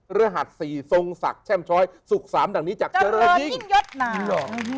เรือหัด๔ทรงศักดิ์แช่มช้อยสุข๓ดังนี้จากเจริญยิ่งยดหนาว